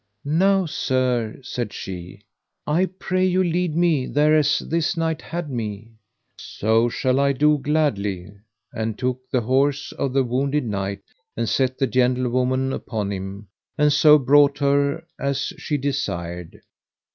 Now sir, said she, I pray you lead me thereas this knight had me. So shall I do gladly: and took the horse of the wounded knight, and set the gentlewoman upon him, and so brought her as she desired.